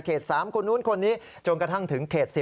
๓คนนู้นคนนี้จนกระทั่งถึงเขต๑๐